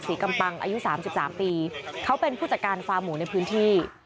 ศรีกำปังอายุสามสิบสามปีเขาเป็นผู้จัดการฟาหมูในพื้นที่